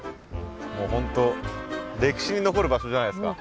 本当歴史に残る場所じゃないですか。